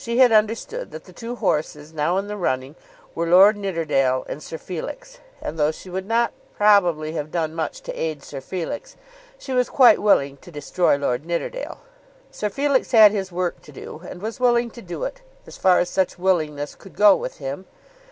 She had understood that the two horses now in the running were Lord Nidderdale and Sir Felix; and though she would not probably have done much to aid Sir Felix, she was quite willing to destroy Lord Nidderdale. Sir Felix had his work to do, and was willing to do it, as far as such willingness could go with him.